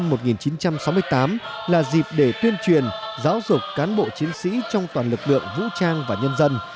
năm một nghìn chín trăm sáu mươi tám là dịp để tuyên truyền giáo dục cán bộ chiến sĩ trong toàn lực lượng vũ trang và nhân dân